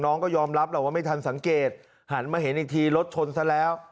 น้องก็ยอมรับแหละว่าไม่ทันสังเกตหันมาเห็นอีกทีรถชนซะแล้ว